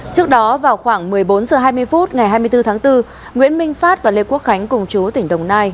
trước đó vào khoảng một mươi bốn h hai mươi phút ngày hai mươi bốn tháng bốn nguyễn minh phát và lê quốc khánh cùng chú tỉnh đồng nai